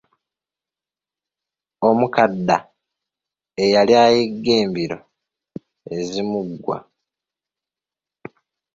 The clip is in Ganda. Omukadda eyali ayigga embiro ezimuggwa.